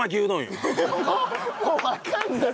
もうわかんない！